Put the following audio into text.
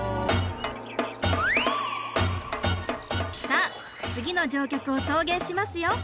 さあ次の乗客を送迎しますよ。